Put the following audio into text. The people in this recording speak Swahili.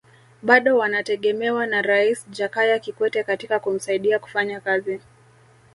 Bado wanategemewa na Rais Jakaya Kikwete katika kumsaidia kufanya kazi